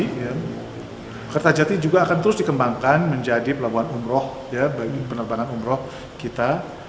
kertajati juga akan terus dikembangkan menjadi pelabuhan umroh bagi penerbangan umroh kita